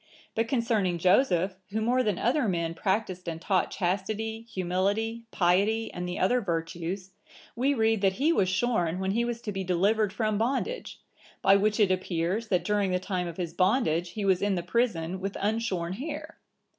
But concerning Joseph, who more than other men practised and taught chastity, humility, piety, and the other virtues, we read that he was shorn when he was to be delivered from bondage,(980) by which it appears, that during the time of his bondage, he was in the prison with unshorn hair.